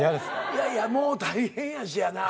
いやいやもう大変やしやなぁ。